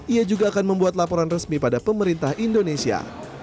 ia juga akan membuat laporan resmi pada pemerintah indonesia